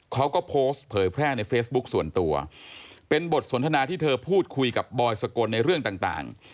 เขาก็โพสต์เผยแพร่ในเฟซบุ๊คส่วนตัวเป็นบทสนทนาที่เธอพูดคุยกับบอยสกลในเรื่องต่าง